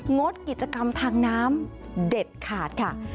งดกิจกรรมทางน้ำเด็ดขาดค่ะ